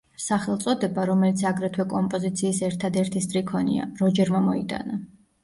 სახელწოდება, რომელიც აგრეთვე კომპოზიციის ერთადერთი სტრიქონია, როჯერმა მოიტანა.